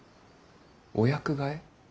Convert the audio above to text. お役替え。